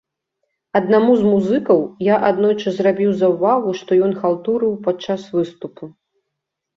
Аднаму з музыкаў я аднойчы зрабіў заўвагу, што ён халтурыў падчас выступу.